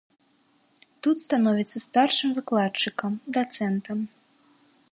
Тут становіцца старшым выкладчыкам, дацэнтам.